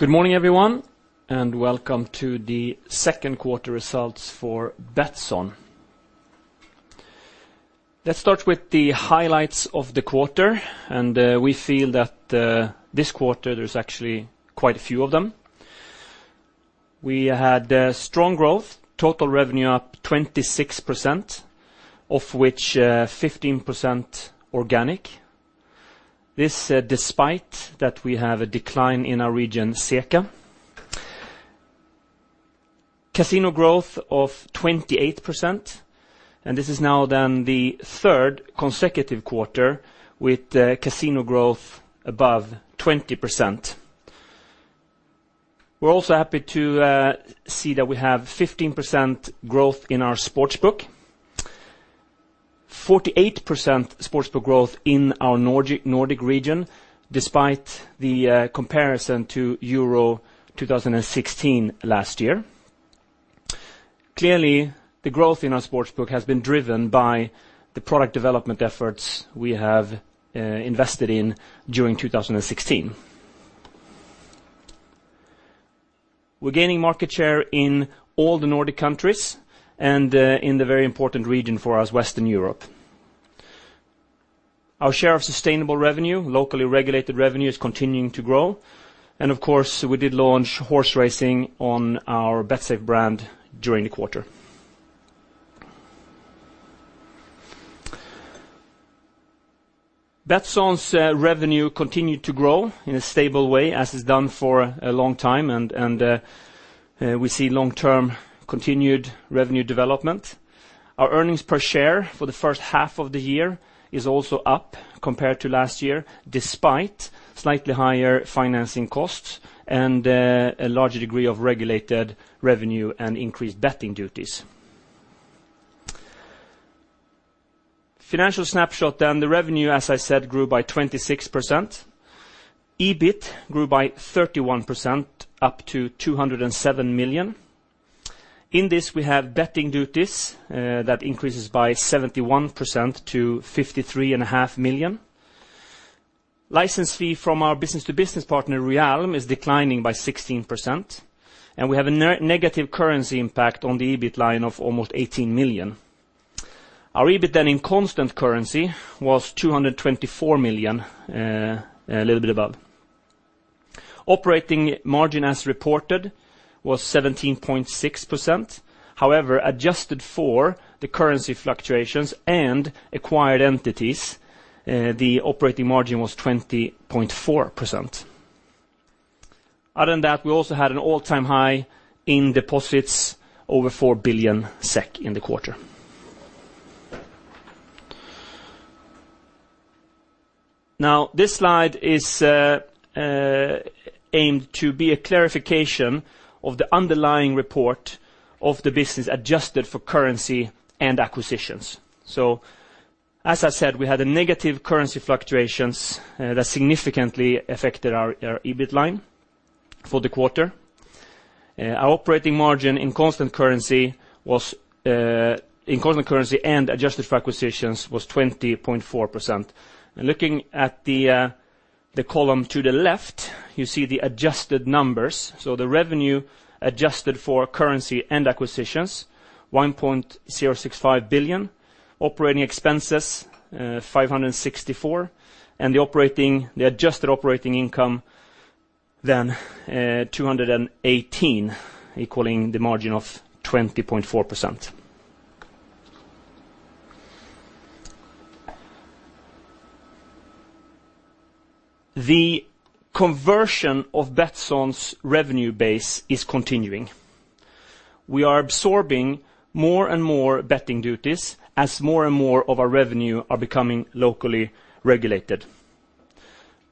Good morning, everyone, welcome to the second quarter results for Betsson. Let's start with the highlights of the quarter. We feel that this quarter there's actually quite a few of them. We had strong growth, total revenue up 26%, of which 15% organic. This despite that we have a decline in our region CECA. Casino growth of 28%, this is now then the third consecutive quarter with casino growth above 20%. We're also happy to see that we have 15% growth in our sportsbook. 48% sportsbook growth in our Nordic region, despite the comparison to Euro 2016 last year. Clearly, the growth in our sportsbook has been driven by the product development efforts we have invested in during 2016. We're gaining market share in all the Nordic countries and in the very important region for us, Western Europe. Our share of sustainable revenue, locally regulated revenue, is continuing to grow, and of course, we did launch horse racing on our Betsafe brand during the quarter. Betsson's revenue continued to grow in a stable way, as it's done for a long time, and we see long-term continued revenue development. Our earnings per share for the first half of the year is also up compared to last year, despite slightly higher financing costs and a larger degree of regulated revenue and increased betting duties. Financial snapshot then, the revenue, as I said, grew by 26%. EBIT grew by 31%, up to 207 million. In this, we have betting duties that increases by 71% to 53.5 million. License fee from our B2B partner, Realm Entertainment, is declining by 16%, and we have a negative currency impact on the EBIT line of almost 18 million. Our EBIT then in constant currency was 224 million, a little bit above. Operating margin as reported was 17.6%. However, adjusted for the currency fluctuations and acquired entities, the operating margin was 20.4%. Other than that, we also had an all-time high in deposits, over 4 billion SEK in the quarter. This slide is aimed to be a clarification of the underlying report of the business adjusted for currency and acquisitions. As I said, we had negative currency fluctuations that significantly affected our EBIT line for the quarter. Our operating margin in constant currency and adjusted for acquisitions was 20.4%. Looking at the column to the left, you see the adjusted numbers. The revenue adjusted for currency and acquisitions, 1.065 billion. OpEx, 564, and the adjusted operating income then 218, equaling the margin of 20.4%. The conversion of Betsson's revenue base is continuing. We are absorbing more and more betting duties as more and more of our revenue are becoming locally regulated.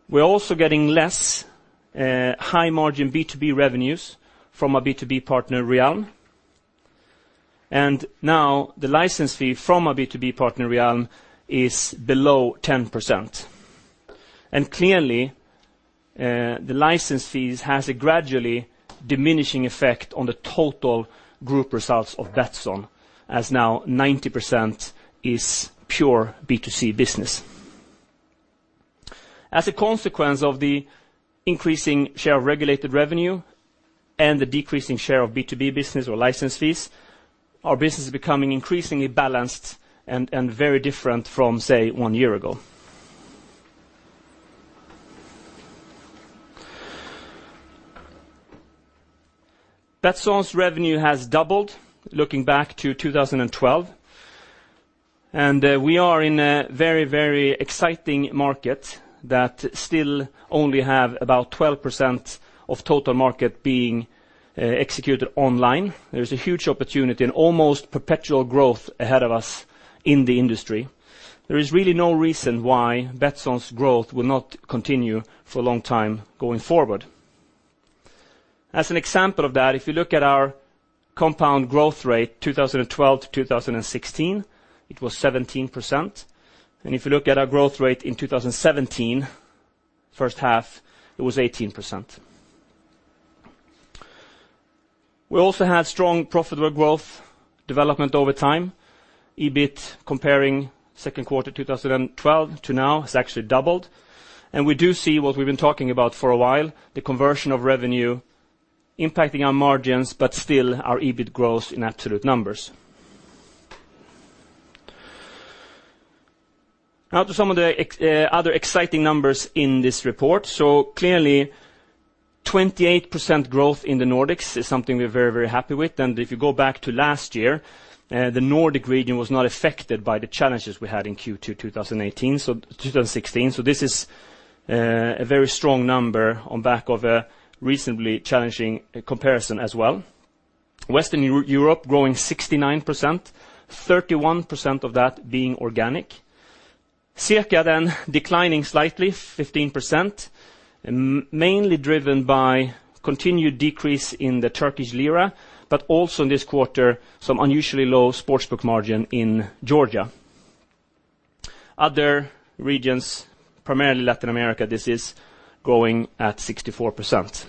We're also getting less high-margin B2B revenues from our B2B partner, Realm Entertainment. Now the license fee from our B2B partner, Realm Entertainment, is below 10%. Clearly, the license fees has a gradually diminishing effect on the total group results of Betsson, as now 90% is pure B2C business. As a consequence of the increasing share of regulated revenue and the decreasing share of B2B business or license fees, our business is becoming increasingly balanced and very different from, say, one year ago. Betsson's revenue has doubled looking back to 2012. We are in a very exciting market that still only have about 12% of total market being executed online. There is a huge opportunity and almost perpetual growth ahead of us in the industry. There is really no reason why Betsson's growth will not continue for a long time going forward. As an example of that, if you look at our compound growth rate, 2012 to 2016, it was 17%. If you look at our growth rate in 2017, first half, it was 18%. We also had strong profitable growth development over time. EBIT comparing second quarter 2012 to now has actually doubled. We do see what we've been talking about for a while, the conversion of revenue impacting our margins, but still our EBIT grows in absolute numbers. To some of the other exciting numbers in this report. Clearly, 28% growth in the Nordics is something we're very happy with. If you go back to last year, the Nordic region was not affected by the challenges we had in Q2 2016. This is a very strong number on back of a reasonably challenging comparison as well. Western Europe growing 69%, 31% of that being organic. CECA declining slightly, 15%, mainly driven by continued decrease in the Turkish lira, but also this quarter, some unusually low sports book margin in Georgia. Other regions, primarily Latin America, this is growing at 64%.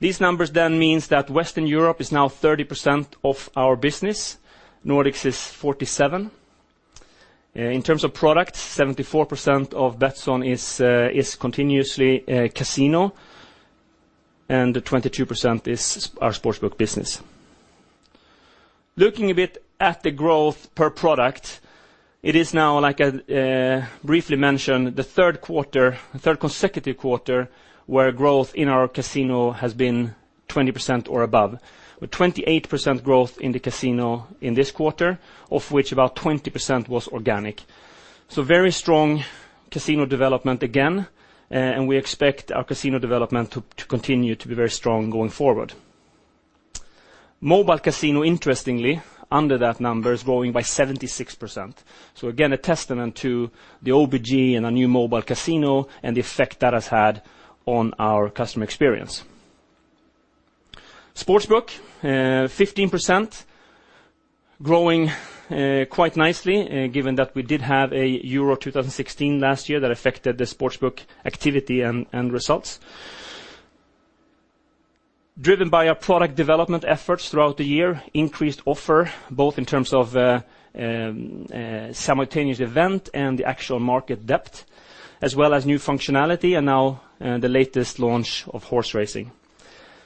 These numbers means that Western Europe is now 30% of our business. Nordics is 47. In terms of products, 74% of Betsson is continuously casino, and 22% is our sports book business. Looking a bit at the growth per product, it is now, like I briefly mentioned, the third consecutive quarter where growth in our casino has been 20% or above, with 28% growth in the casino in this quarter, of which about 20% was organic. Very strong casino development again, We expect our casino development to continue to be very strong going forward. Mobile casino, interestingly, under that number, is growing by 76%. Again, a testament to the OBG and our new mobile casino and the effect that has had on our customer experience. Sports book, 15% growing quite nicely, given that we did have a Euro 2016 last year that affected the sports book activity and results. Driven by our product development efforts throughout the year, increased offer, both in terms of simultaneous event and the actual market depth, as well as new functionality, and now the latest launch of horse racing.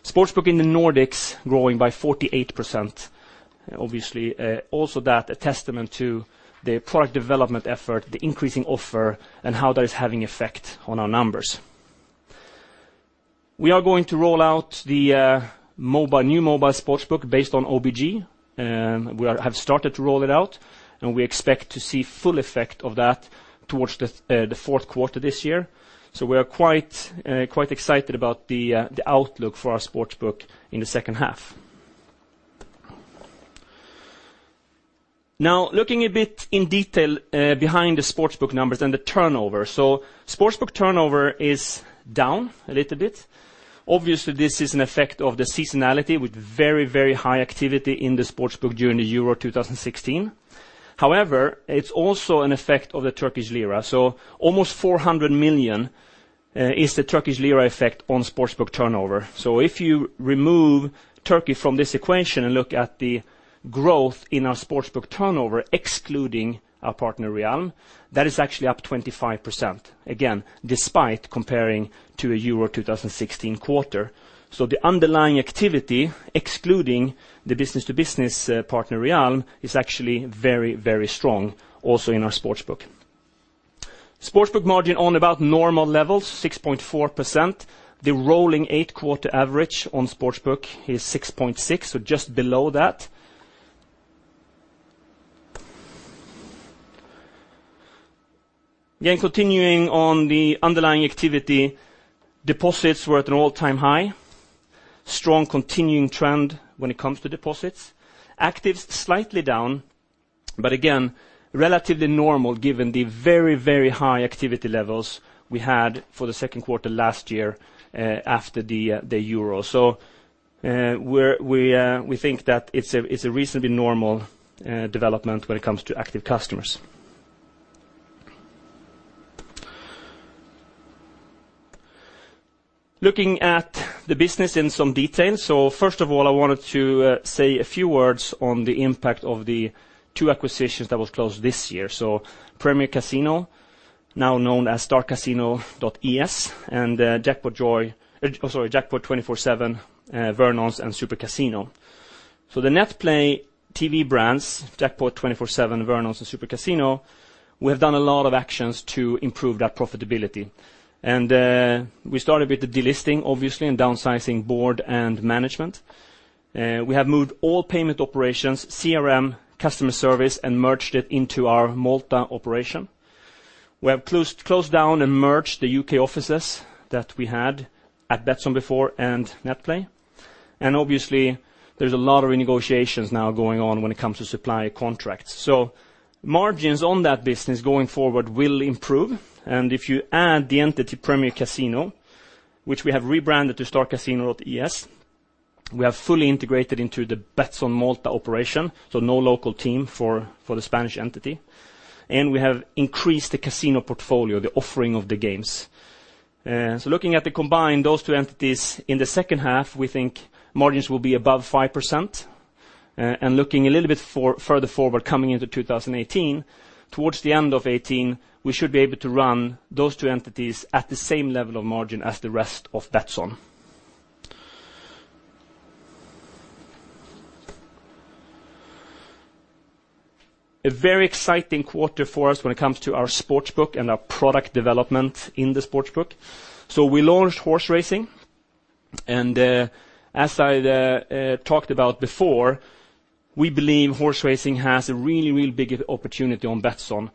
Sports book in the Nordics growing by 48%. Also that a testament to the product development effort, the increasing offer, and how that is having effect on our numbers. We are going to roll out the new mobile sports book based on OBG. We have started to roll it out, and we expect to see full effect of that towards the fourth quarter this year. We are quite excited about the outlook for our sports book in the second half. Looking a bit in detail behind the sports book numbers and the turnover. Sports book turnover is down a little bit. Obviously, this is an effect of the seasonality with very high activity in the sports book during the Euro 2016. However, it's also an effect of the Turkish lira. Almost 400 million is the Turkish lira effect on sports book turnover. If you remove Turkey from this equation and look at the growth in our sports book turnover, excluding our partner Realm, that is actually up 25%. Again, despite comparing to a Euro 2016 quarter. The underlying activity, excluding the business-to-business partner Realm, is actually very strong also in our sports book. Sports book margin on about normal levels, 6.4%. The rolling eight-quarter average on sports book is 6.6, just below that. Again, continuing on the underlying activity, deposits were at an all-time high. Strong continuing trend when it comes to deposits. Actives slightly down, but again, relatively normal given the very high activity levels we had for the second quarter last year after the Euro. We think that it's a reasonably normal development when it comes to active customers. Looking at the business in some detail. First of all, I wanted to say a few words on the impact of the two acquisitions that was closed this year. Premier Casino, now known as StarCasino.es, and Jackpot 247, Vernons, and Supercasino. The NetPlay TV brands, Jackpot 247, Vernons, and Supercasino, we have done a lot of actions to improve that profitability. We started with the delisting, obviously, and downsizing board and management. We have moved all payment operations, CRM, customer service, and merged it into our Malta operation. We have closed down and merged the U.K. offices that we had at Betsson before and NetPlay. Obviously, there's a lot of renegotiations now going on when it comes to supplier contracts. Margins on that business going forward will improve. If you add the entity Premier Casino, which we have rebranded to StarCasino.es. We have fully integrated into the Betsson Malta operation, so no local team for the Spanish entity. We have increased the casino portfolio, the offering of the games. Looking at the combined, those two entities in the second half, we think margins will be above 5%. Looking a little bit further forward coming into 2018, towards the end of 2018, we should be able to run those two entities at the same level of margin as the rest of Betsson. A very exciting quarter for us when it comes to our sports book and our product development in the sports book. We launched horse racing, and as I talked about before, we believe horse racing has a really big opportunity on Betsson.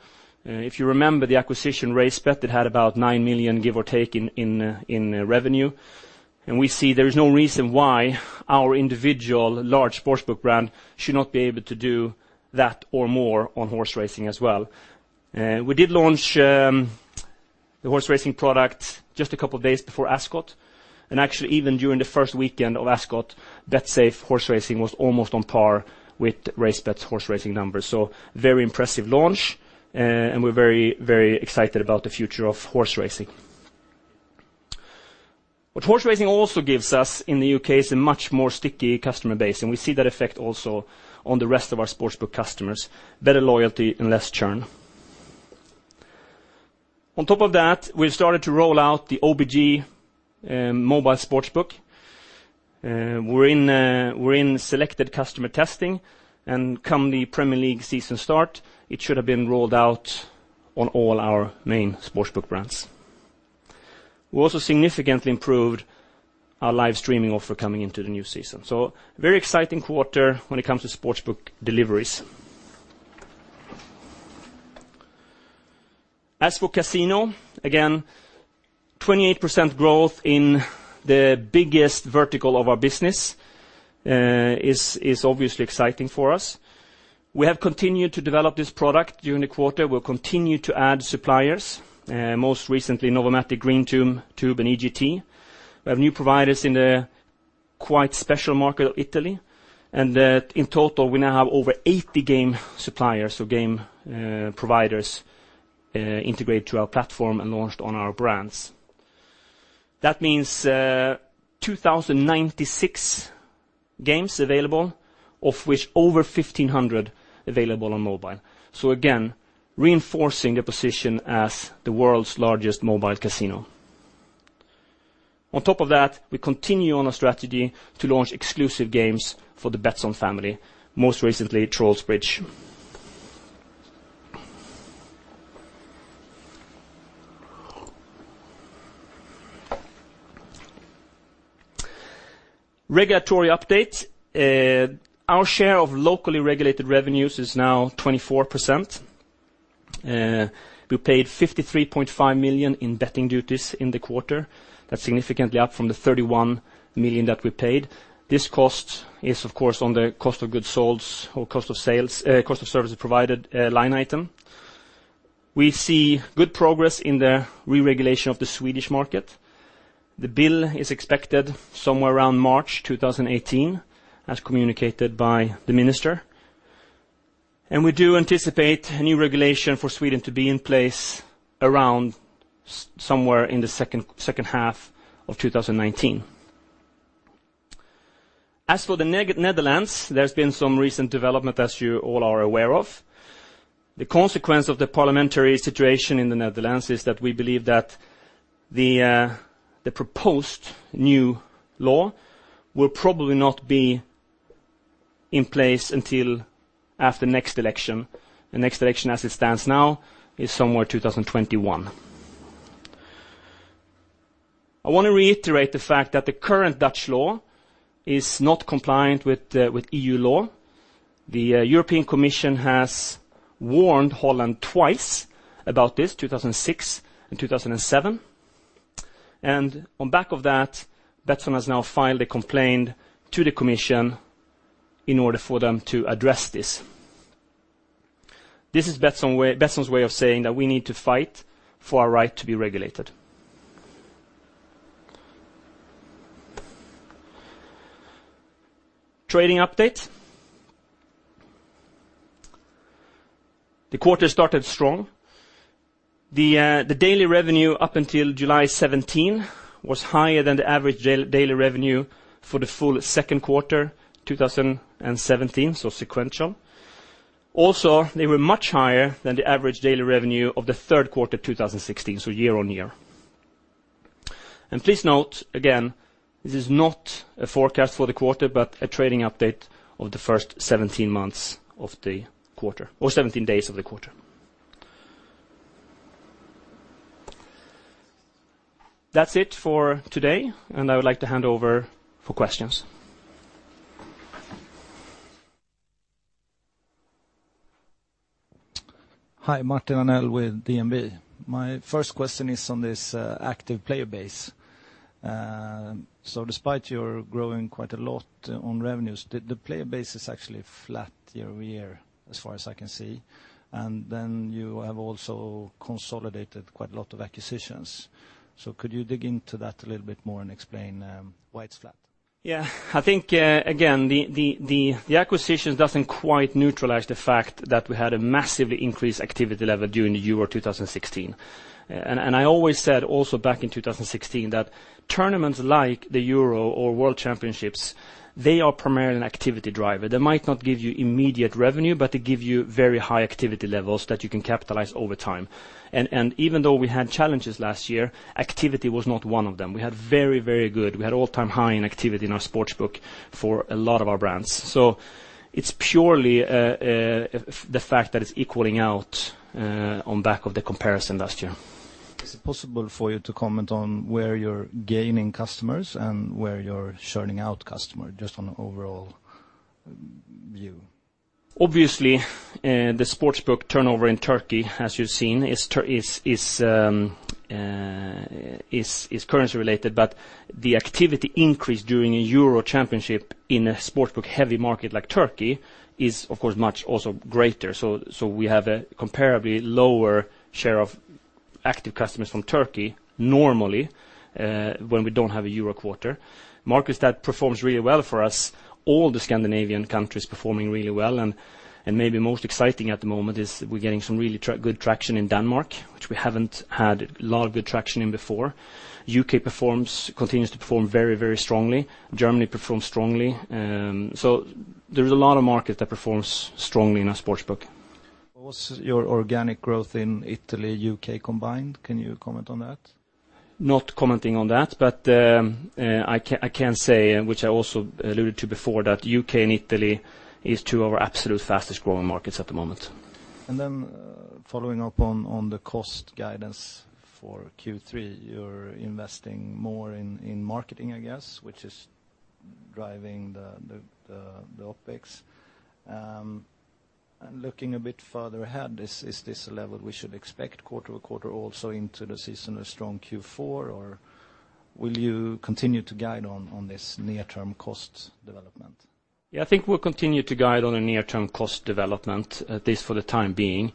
If you remember the acquisition RaceBets that had about 9 million, give or take, in revenue. We see there is no reason why our individual large sports book brand should not be able to do that or more on horse racing as well. We did launch the horse racing product just a couple of days before Ascot. Actually, even during the first weekend of Ascot, Betsafe horse racing was almost on par with RaceBets' horse racing numbers. Very impressive launch, and we're very excited about the future of horse racing. What horse racing also gives us in the U.K. is a much stickier customer base, and we see that effect also on the rest of our sports book customers, better loyalty and less churn. On top of that, we've started to roll out the OBG mobile sports book. We're in selected customer testing and come the Premier League season start, it should have been rolled out on all our main sports book brands. We also significantly improved our live streaming offer coming into the new season. A very exciting quarter when it comes to sports book deliveries. As for casino, again, 28% growth in the biggest vertical of our business is obviously exciting for us. We have continued to develop this product during the quarter. We'll continue to add suppliers. Most recently, Novomatic Greentube and EGT. We have new providers in the quite special market of Italy, and that in total, we now have over 80 game suppliers or game providers integrated to our platform and launched on our brands. That means 2,096 games available, of which over 1,500 available on mobile. So again, reinforcing the position as the world's largest mobile casino. On top of that, we continue on our strategy to launch exclusive games for the Betsson family, most recently Trolls Bridge. Regulatory update. Our share of locally regulated revenues is now 24%. We paid 53.5 million in betting duties in the quarter. That's significantly up from the 31 million that we paid. This cost is, of course, on the cost of goods sold or cost of services provided line item. We see good progress in the re-regulation of the Swedish market. The bill is expected somewhere around March 2018, as communicated by the minister. We do anticipate a new regulation for Sweden to be in place around somewhere in the second half of 2019. As for the Netherlands, there's been some recent development, as you all are aware of. The consequence of the parliamentary situation in the Netherlands is that we believe that the proposed new law will probably not be in place until after next election. The next election, as it stands now, is somewhere 2021. I want to reiterate the fact that the current Dutch law is not compliant with EU law. The European Commission has warned Holland twice about this, 2006 and 2007. On back of that, Betsson has now filed a complaint to the commission in order for them to address this. This is Betsson's way of saying that we need to fight for our right to be regulated. Trading update. The quarter started strong. The daily revenue up until July 17 was higher than the average daily revenue for the full second quarter 2017, so sequential. Also, they were much higher than the average daily revenue of the third quarter 2016, so year on year. Please note, again, this is not a forecast for the quarter, but a trading update of the first 17 days of the quarter. That's it for today, and I would like to hand over for questions. Hi, Martin Arnell with DNB. My first question is on this active player base. Despite you're growing quite a lot on revenues, the player base is actually flat year-over-year as far as I can see. Then you have also consolidated quite a lot of acquisitions. Could you dig into that a little bit more and explain why it's flat? I think, again, the acquisitions doesn't quite neutralize the fact that we had a massive increased activity level during the Euro 2016. I always said also back in 2016 that tournaments like the Euro or World Championships, they are primarily an activity driver. They might not give you immediate revenue, but they give you very high activity levels that you can capitalize over time. Even though we had challenges last year, activity was not one of them. We had all-time high in activity in our sportsbook for a lot of our brands. It's purely the fact that it's equaling out on back of the comparison last year. Is it possible for you to comment on where you're gaining customers and where you're churning out customers, just on an overall view? Obviously, the sportsbook turnover in Turkey, as you've seen, is currency related, the activity increase during a Euro championship in a sportsbook-heavy market like Turkey is, of course, much also greater. We have a comparably lower share of active customers from Turkey normally, when we don't have a Euro quarter. Markets that performs really well for us, all the Scandinavian countries performing really well and maybe most exciting at the moment is we're getting some really good traction in Denmark, which we haven't had a lot of good traction in before. U.K. continues to perform very strongly. Germany performs strongly. There is a lot of market that performs strongly in our sportsbook. What's your organic growth in Italy, U.K. combined? Can you comment on that? Not commenting on that, but I can say, which I also alluded to before, that U.K. and Italy is two of our absolute fastest growing markets at the moment. Following up on the cost guidance for Q3. You're investing more in marketing, I guess, which is driving the OpEx. Looking a bit further ahead, is this a level we should expect quarter-to-quarter also into the seasonally strong Q4, or will you continue to guide on this near-term cost development? I think we'll continue to guide on a near-term cost development, at least for the time being.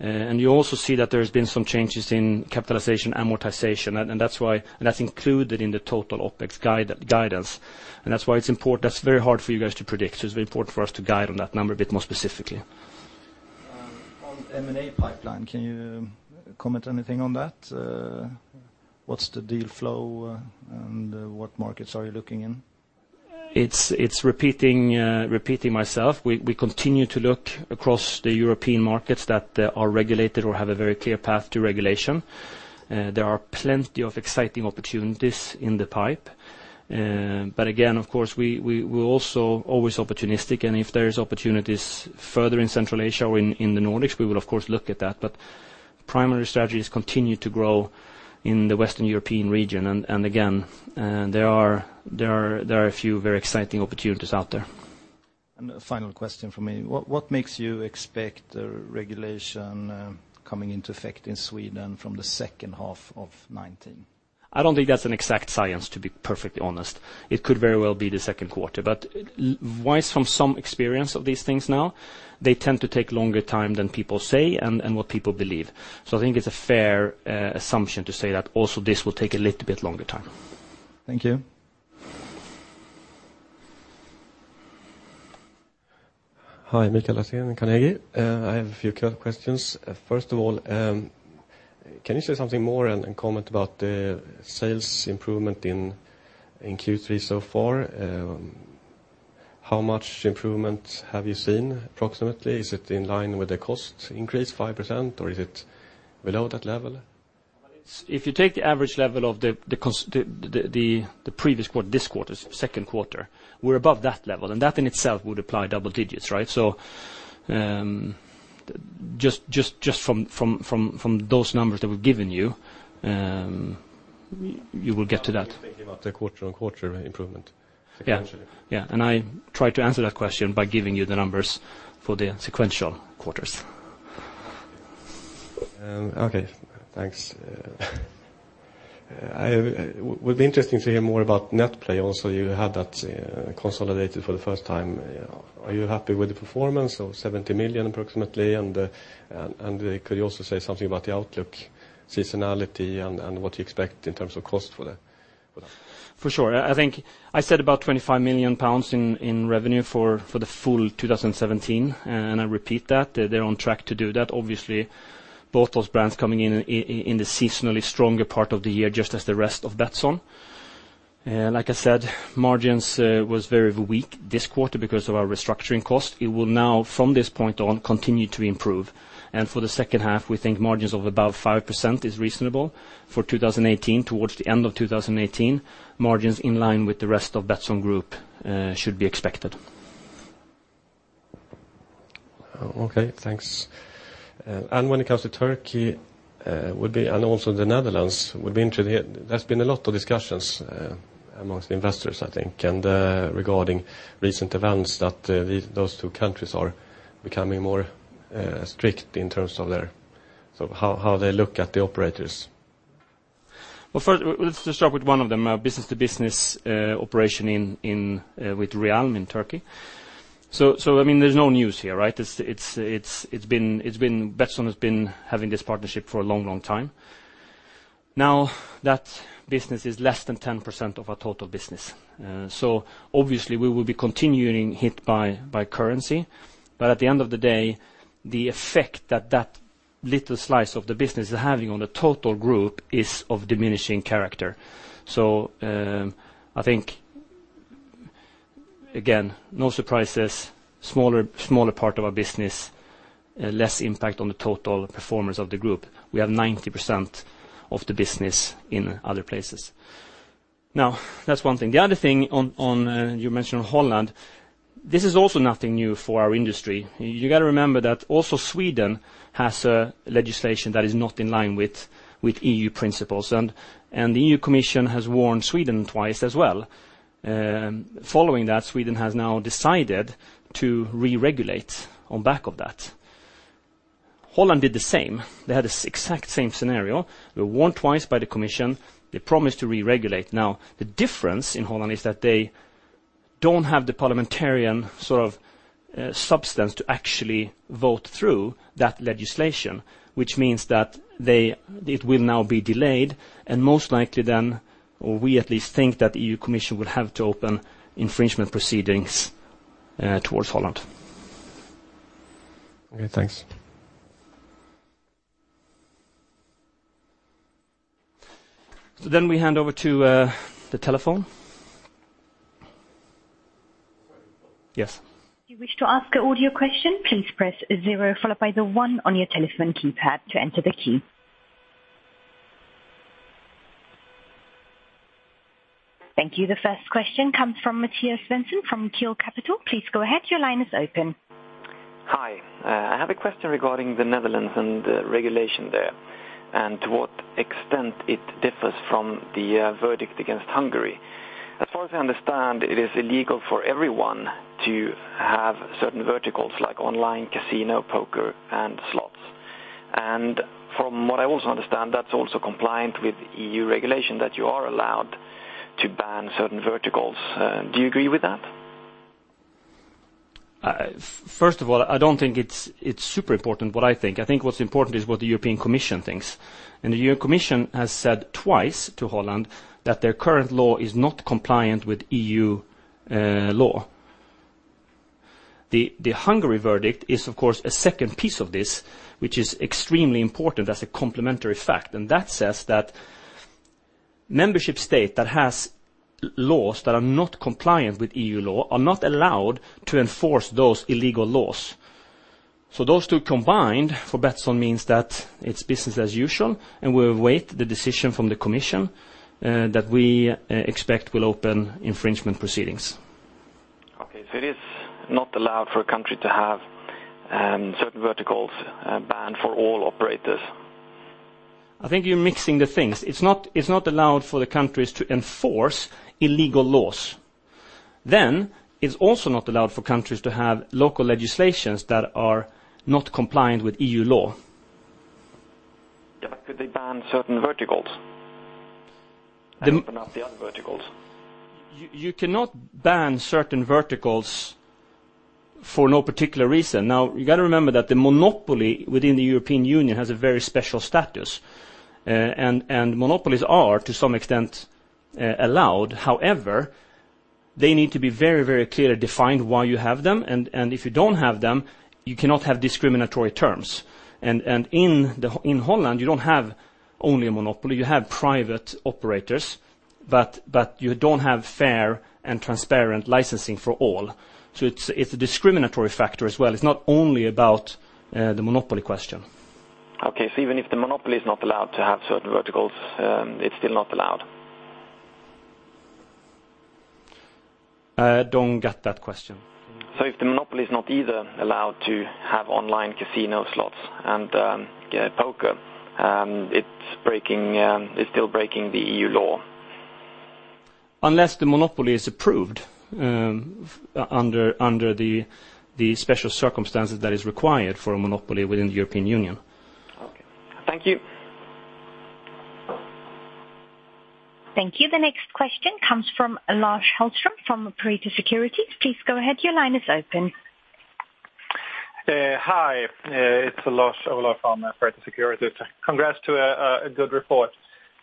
You also see that there's been some changes in capitalization amortization, and that's included in the total OpEx guidance. That's why it's important. That's very hard for you guys to predict, so it's very important for us to guide on that number a bit more specifically. On M&A pipeline, can you comment anything on that? What's the deal flow and what markets are you looking in? It's repeating myself. We continue to look across the European markets that are regulated or have a very clear path to regulation. There are plenty of exciting opportunities in the pipe. Again, of course, we're also always opportunistic, and if there's opportunities further in Central Asia or in the Nordics, we will of course look at that. Primary strategy is continue to grow in the Western European region. Again, there are a few very exciting opportunities out there. A final question from me. What makes you expect regulation coming into effect in Sweden from the second half of 2019? I don't think that's an exact science, to be perfectly honest. It could very well be the second quarter, wise from some experience of these things now, they tend to take longer time than people say and what people believe. I think it's a fair assumption to say that also this will take a little bit longer time. Thank you. Hi, Mikael Laséen, Carnegie. I have a few questions. First of all, can you say something more and comment about the sales improvement in Q3 so far? How much improvement have you seen approximately? Is it in line with the cost increase, 5%, or is it below that level? If you take the average level of the previous quarter, this quarter, second quarter, we're above that level, and that in itself would apply double digits, right? Just from those numbers that we've given you will get to that. Now I'm thinking about the quarter-on-quarter improvement sequentially. Yeah. I tried to answer that question by giving you the numbers for the sequential quarters. Okay, thanks. It would be interesting to hear more about NetPlay also, you had that consolidated for the first time. Are you happy with the performance of 70 million approximately, and could you also say something about the outlook seasonality and what you expect in terms of cost for that? For sure. I think I said about 25 million pounds in revenue for the full 2017, and I repeat that. They're on track to do that. Obviously, both those brands coming in the seasonally stronger part of the year, just as the rest of Betsson. Like I said, margins was very weak this quarter because of our restructuring cost. It will now, from this point on, continue to improve. For the second half, we think margins of about 5% is reasonable. For 2018, towards the end of 2018, margins in line with the rest of Betsson Group should be expected. Okay, thanks. When it comes to Turkey, and also the Netherlands, there's been a lot of discussions amongst investors, I think, regarding recent events that those two countries are becoming more strict in terms of how they look at the operators. First, let's just start with one of them, B2B operation with Realm in Turkey. There's no news here, right? Betsson has been having this partnership for a long time. That business is less than 10% of our total business. Obviously, we will be continuing hit by currency. At the end of the day, the effect that little slice of the business is having on the total group is of diminishing character. I think, again, no surprises, smaller part of our business, less impact on the total performance of the group. We have 90% of the business in other places. That's one thing. The other thing you mentioned on Holland, this is also nothing new for our industry. You got to remember that also Sweden has a legislation that is not in line with EU principles, and the EU Commission has warned Sweden twice as well. Following that, Sweden has now decided to re-regulate on back of that. Holland did the same. They had this exact same scenario. They were warned twice by the Commission. They promised to re-regulate. The difference in Holland is that they don't have the parliamentarian substance to actually vote through that legislation, which means that it will now be delayed and most likely then, or we at least think that EU Commission will have to open infringement proceedings towards Holland. Okay, thanks. We hand over to the telephone. Yes. If you wish to ask an audio question, please press zero followed by the one on your telephone keypad to enter the queue. Thank you. The first question comes from Matthias Swenson from Kiel Capital. Please go ahead. Your line is open. Hi. I have a question regarding the Netherlands and the regulation there, and to what extent it differs from the verdict against Hungary. As far as I understand, it is illegal for everyone to have certain verticals like online casino, poker, and slots. From what I also understand, that's also compliant with EU regulation that you are allowed to ban certain verticals. Do you agree with that? First of all, I don't think it's super important what I think. I think what's important is what the European Commission thinks. The EU Commission has said twice to Holland that their current law is not compliant with EU law. The Hungary verdict is, of course, a second piece of this, which is extremely important as a complementary fact, and that says that membership state that has laws that are not compliant with EU law are not allowed to enforce those illegal laws. Those two combined for Betsson means that it's business as usual, and we await the decision from the Commission that we expect will open infringement proceedings. Okay. It is not allowed for a country to have certain verticals banned for all operators. I think you're mixing the things. It's not allowed for the countries to enforce illegal laws. It's also not allowed for countries to have local legislations that are not compliant with EU law. Could they ban certain verticals and open up the other verticals? You cannot ban certain verticals for no particular reason. You got to remember that the monopoly within the European Union has a very special status, and monopolies are, to some extent, allowed. However, they need to be very, very clearly defined why you have them, and if you don't have them, you cannot have discriminatory terms. In Holland, you don't have only a monopoly, you have private operators, but you don't have fair and transparent licensing for all. It's a discriminatory factor as well. It's not only about the monopoly question. Okay. Even if the monopoly is not allowed to have certain verticals, it's still not allowed. I don't get that question. If the monopoly is not either allowed to have online casino slots and poker, it's still breaking the EU law. Unless the monopoly is approved under the special circumstances that is required for a monopoly within the European Union. Okay. Thank you. Thank you. The next question comes from Lars-Olof Gustavsson from Pareto Securities. Please go ahead. Your line is open. Hi. It's Lars-Olof Gustavsson from East Hill Equity. Congrats to a good report.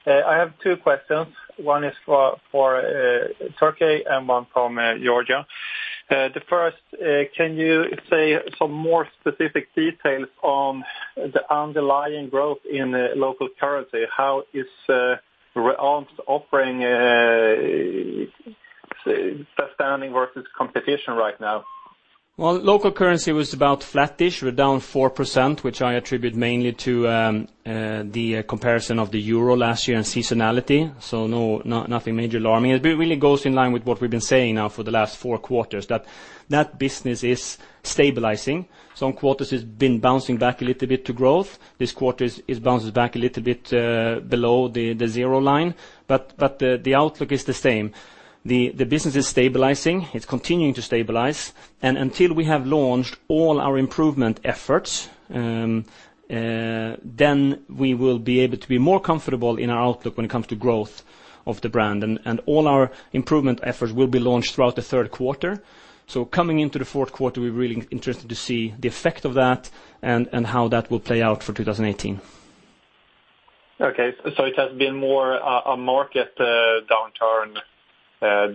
I have two questions. One is for Turkey and one from Georgia. The first, can you say some more specific details on the underlying growth in local currency? How is the offering standing versus competition right now? Well, local currency was about flat-ish. We're down 4%, which I attribute mainly to the comparison of the Euro last year and seasonality. Nothing major alarming. It really goes in line with what we've been saying now for the last four quarters, that that business is stabilizing. Some quarters has been bouncing back a little bit to growth. This quarter it bounces back a little bit below the zero line, but the outlook is the same. The business is stabilizing. It's continuing to stabilize. Until we have launched all our improvement efforts, then we will be able to be more comfortable in our outlook when it comes to growth of the brand. All our improvement efforts will be launched throughout the third quarter. Coming into the fourth quarter, we're really interested to see the effect of that and how that will play out for 2018. Okay. It has been more a market downturn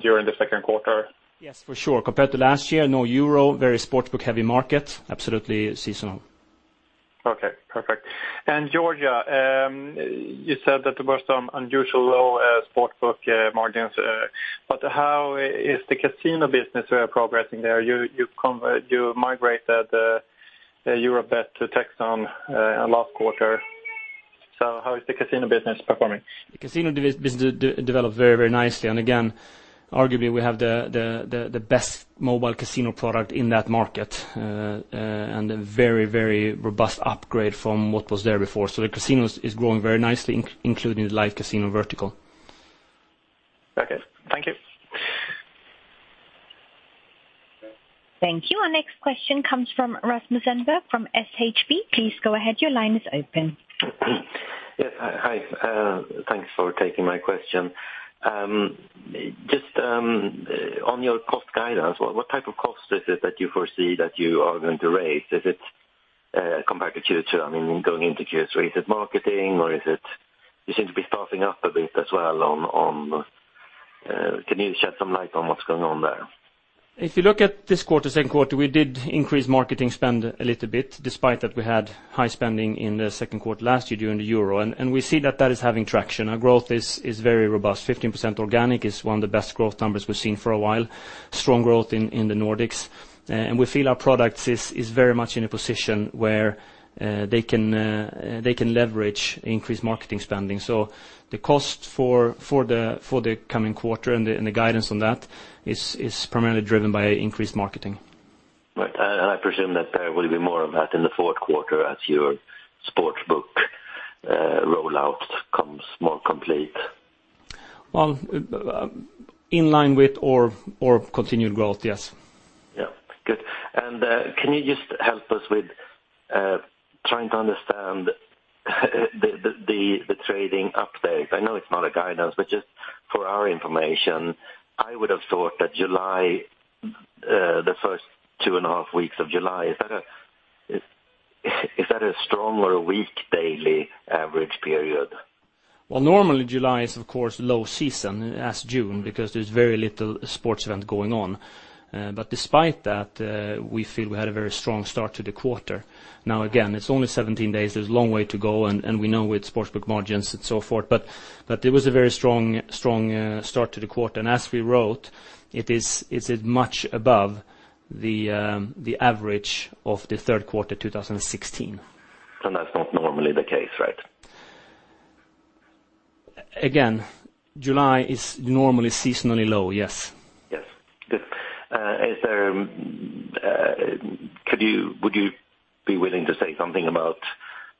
during the second quarter? Yes, for sure. Compared to last year, no Euro, very sports book heavy market. Absolutely seasonal. Okay, perfect. Georgia, you said that there was some unusually low sports book margins, but how is the casino business progressing there? You migrated the Europeet to Techsson last quarter. How is the casino business performing? The casino business developed very nicely. Again, arguably we have the best mobile casino product in that market, and a very robust upgrade from what was there before. The casino is growing very nicely, including the live casino vertical. Okay. Thank you. Thank you. Our next question comes from Rasmus Enberg from SHB. Please go ahead. Your line is open. Yes. Hi. Thanks for taking my question. Just on your cost guidance, what type of cost is it that you foresee that you are going to raise? Compared to Q2, going into Q3, is it marketing? You seem to be staffing up a bit as well. Can you shed some light on what's going on there? If you look at this quarter, second quarter, we did increase marketing spend a little bit despite that we had high spending in the second quarter last year during the Euro. We see that that is having traction. Our growth is very robust. 15% organic is one of the best growth numbers we've seen for a while. Strong growth in the Nordics. We feel our product is very much in a position where they can leverage increased marketing spending. The cost for the coming quarter and the guidance on that is primarily driven by increased marketing. Right. I presume that there will be more of that in the fourth quarter as your sports book rollout comes more complete. Well, in line with or continued growth, yes. Yeah. Good. Can you just help us with trying to understand the trading updates? I know it's not a guidance, but just for our information, I would've thought that the first two and a half weeks of July, is that a strong or a weak daily average period? Well, normally July is of course low season, as June, because there's very little sports event going on. Despite that, we feel we had a very strong start to the quarter. Now again, it's only 17 days. There's a long way to go, we know with sports book margins and so forth. It was a very strong start to the quarter. As we wrote, it is much above the average of the third quarter 2016. That's not normally the case, right? Again, July is normally seasonally low, yes. Yes. Good. Would you be willing to say something about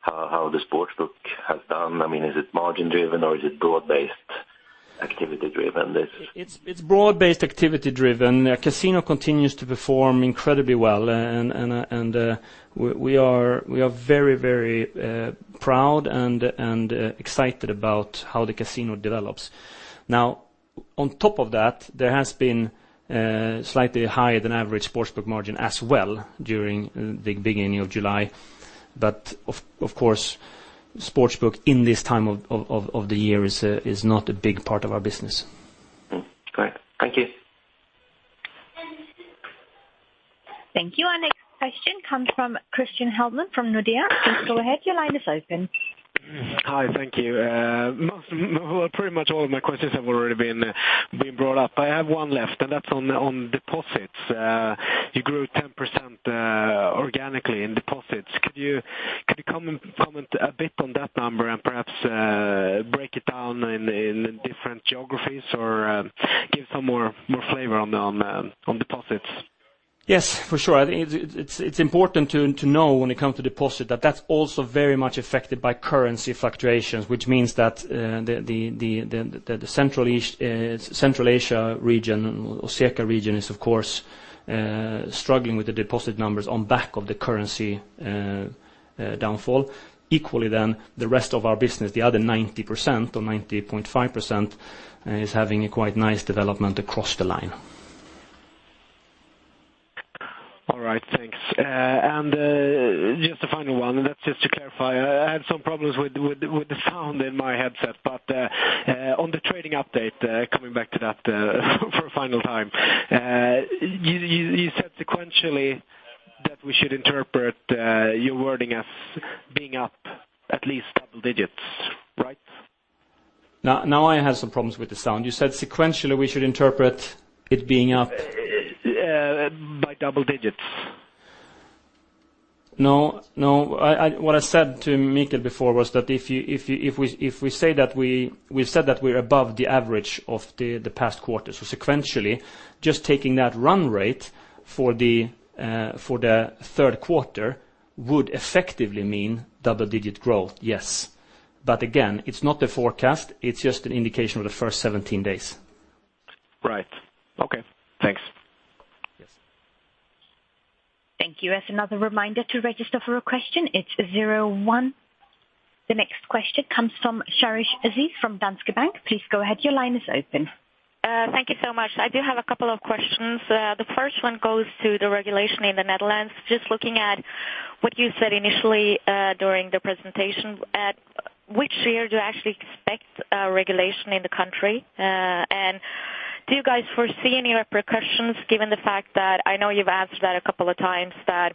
how the sports book has done? Is it margin driven or is it broad-based activity driven? It's broad-based activity driven. Casino continues to perform incredibly well, we are very proud and excited about how the casino develops. On top of that, there has been slightly higher than average sports book margin as well during the beginning of July. Of course, sports book in this time of the year is not a big part of our business. Great. Thank you. Thank you. Our next question comes from Christian Hellman from Nordea. Please go ahead. Your line is open. Hi. Thank you. Pretty much all of my questions have already been brought up. I have one left, and that's on deposits. You grew 10% organically in deposits. Could you comment a bit on that number and perhaps break it down in different geographies or give some more flavor on deposits? Yes, for sure. It's important to know when it comes to deposit that that's also very much affected by currency fluctuations, which means that the Central Asia region, or CECA region, is of course struggling with the deposit numbers on back of the currency downfall. Equally, the rest of our business, the other 90% or 90.5%, is having a quite nice development across the line. All right. Thanks. Just a final one, and that's just to clarify. I had some problems with the sound in my headset, on the trading update, coming back to that for a final time. You said sequentially that we should interpret your wording as being up at least double digits, right? I have some problems with the sound. You said sequentially we should interpret it being up By double digits. What I said to Mikael before was we've said that we're above the average of the past quarters. Sequentially, just taking that run rate for the third quarter would effectively mean double-digit growth, yes. Again, it's not a forecast, it's just an indication of the first 17 days. Right. Okay. Thanks. Yes. Thank you. As another reminder to register for a question, it's zero one. The next question comes from Sharish Aziz from Danske Bank. Please go ahead. Your line is open. Thank you so much. I do have a couple of questions. The first one goes to the regulation in the Netherlands. Just looking at what you said initially during the presentation, at which year do you actually expect regulation in the country? Do you guys foresee any repercussions given the fact that, I know you've answered that a couple of times, that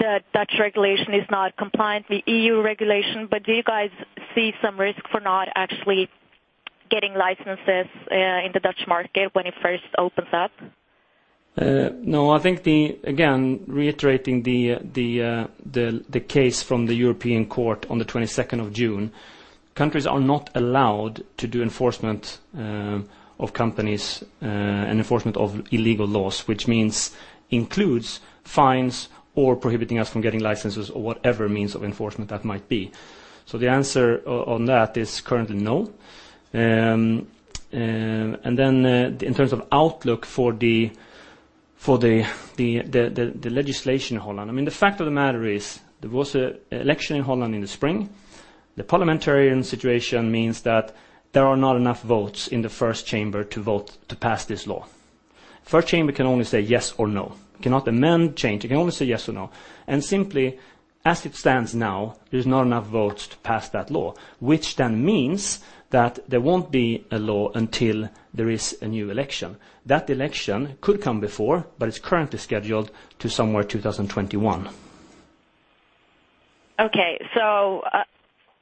Dutch regulation is not compliant with EU regulation, do you guys see some risk for not actually getting licenses in the Dutch market when it first opens up? No, I think, again, reiterating the case from the European Court on the 22nd of June, countries are not allowed to do enforcement of companies and enforcement of illegal laws, which includes fines or prohibiting us from getting licenses or whatever means of enforcement that might be. The answer on that is currently no. In terms of outlook for the legislation in Holland, the fact of the matter is there was an election in Holland in the spring. The parliamentarian situation means that there are not enough votes in the first chamber to pass this law. First chamber can only say yes or no. It cannot amend, change. It can only say yes or no. Simply, as it stands now, there's not enough votes to pass that law, which then means that there won't be a law until there is a new election. That election could come before, it's currently scheduled to somewhere 2021. Okay.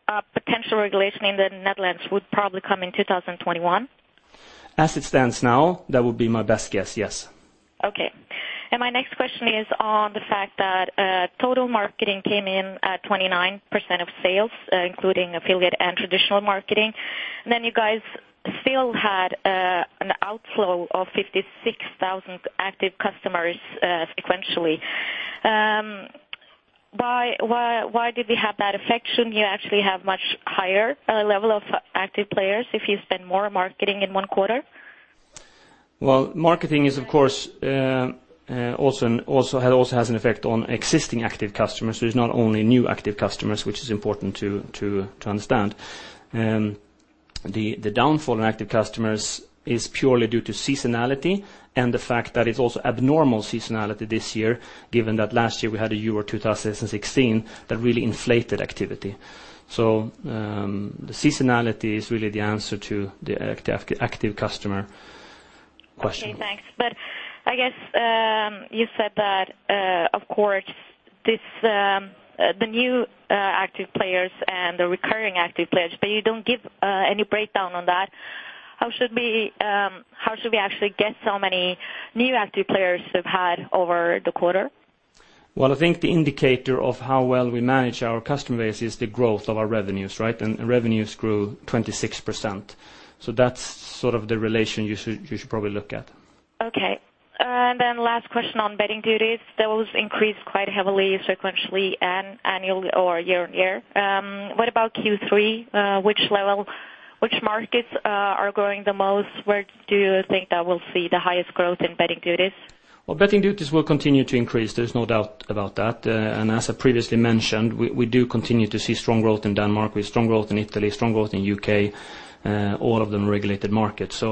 A potential regulation in the Netherlands would probably come in 2021? As it stands now, that would be my best guess, yes. Okay. My next question is on the fact that total marketing came in at 29% of sales, including affiliate and traditional marketing. You guys still had an outflow of 56,000 active customers sequentially. Why did we have that effect? Shouldn't you actually have much higher level of active players if you spend more on marketing in one quarter? Well, marketing also has an effect on existing active customers, so it's not only new active customers, which is important to understand. The downfall in active customers is purely due to seasonality and the fact that it's also abnormal seasonality this year, given that last year we had a year, 2016, that really inflated activity. Seasonality is really the answer to the active customer question. Okay, thanks. I guess you said that, of course, the new active players and the recurring active players, but you don't give any breakdown on that. How should we actually guess how many new active players you've had over the quarter? Well, I think the indicator of how well we manage our customer base is the growth of our revenues, right? Revenues grew 26%. That's sort of the relation you should probably look at. Okay. Last question on betting duties. Those increased quite heavily, sequentially and annually or year-on-year. What about Q3? Which markets are growing the most? Where do you think that we'll see the highest growth in betting duties? Well, betting duties will continue to increase. There's no doubt about that. As I previously mentioned, we do continue to see strong growth in Denmark, with strong growth in Italy, strong growth in U.K., all of them regulated markets.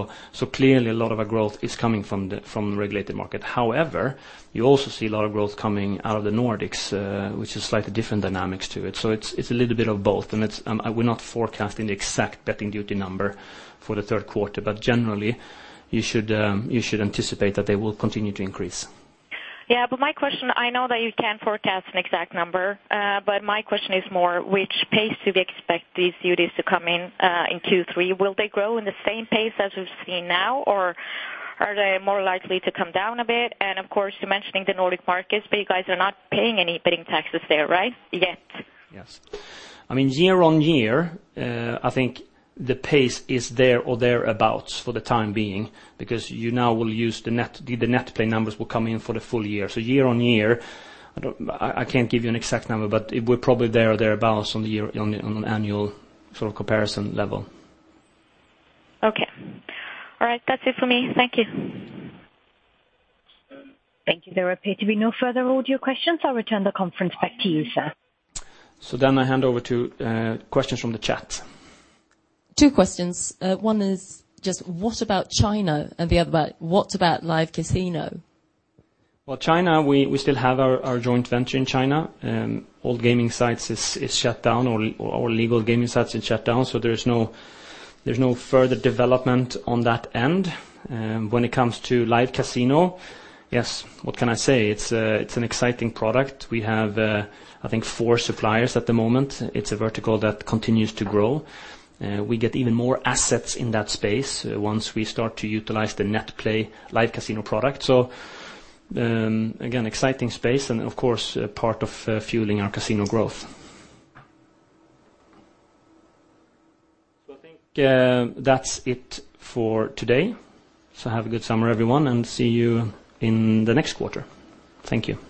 Clearly a lot of our growth is coming from the regulated market. However, you also see a lot of growth coming out of the Nordics, which is slightly different dynamics to it. It's a little bit of both, and we're not forecasting the exact betting duty number for the third quarter, but generally you should anticipate that they will continue to increase. Yeah, my question, I know that you can't forecast an exact number, but my question is more which pace do we expect these duties to come in in Q3? Will they grow in the same pace as we've seen now, or are they more likely to come down a bit? Of course, you're mentioning the Nordic markets, but you guys are not paying any betting taxes there, right? Yet. Yes. Year on year, I think the pace is there or thereabout for the time being, because the NetPlay numbers will come in for the full year. Year on year, I can't give you an exact number, but it will probably there or thereabouts on an annual sort of comparison level. Okay. All right, that's it for me. Thank you. Thank you. There appear to be no further audio questions. I'll return the conference back to you, sir. I hand over to questions from the chat. Two questions. One is just, what about China? The other, what about live casino? Well, China, we still have our joint venture in China. All gaming sites is shut down. All legal gaming sites is shut down, there's no further development on that end. When it comes to live casino, yes, what can I say? It's an exciting product. We have, I think, four suppliers at the moment. It's a vertical that continues to grow. We get even more assets in that space once we start to utilize the NetPlay live casino product. Again, exciting space and, of course, part of fueling our casino growth. I think that's it for today. Have a good summer, everyone, and see you in the next quarter. Thank you.